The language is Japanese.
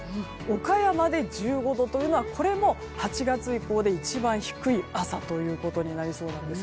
岡山で１５度というのはこれも８月以降で一番低い朝となりそうなんです。